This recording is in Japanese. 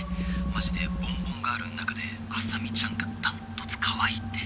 マジでボンボンガールの中であさみちゃんが断トツかわいいって。